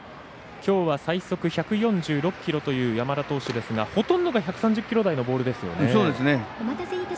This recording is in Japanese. きょうは最速１４６キロという山田投手ですがほとんどが１３０キロ台のボールですよね。